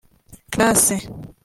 Classe